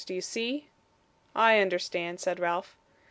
Do you see?' 'I understand,' said Ralph.